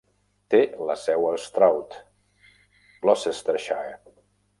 Té la seu a Stroud, Gloucestershire.